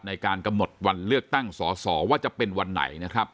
ในการกำหนดวันเลือกตั้งสอสอว่าจะเป็นวันไหนนะครับ